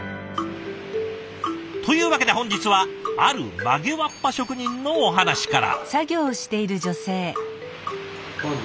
というわけで本日はある曲げわっぱ職人のお話から。